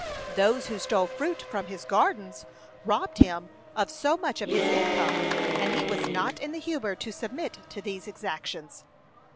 Those who stole fruit from his gardens robbed him of so much of his income; and he was not in the humor to submit to these exactions.